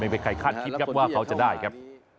ไม่มีใครคาดคิดครับว่าเขาจะได้ครับ